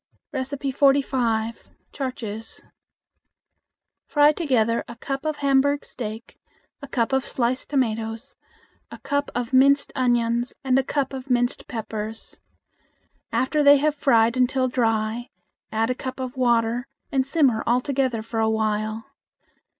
45. Char chiz. Fry together a cup of Hamburg steak, a cup of sliced tomatoes, a cup of minced onions, and a cup of minced peppers. After they have fried until dry, add a cup of water and simmer all together for a while.